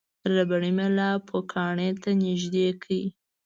ربړي میله پوکڼۍ ته نژدې کړئ.